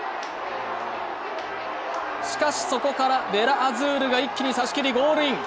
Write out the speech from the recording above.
しかし、そこからヴェラアズールが一気に差しきりゴールイン。